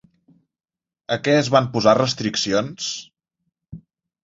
A què es van posar restriccions?